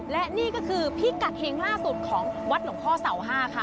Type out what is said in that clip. และนี่ก็คือพิกัดเฮงล่าสุดของวัดหลวงพ่อเสาห้าค่ะ